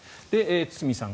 堤さん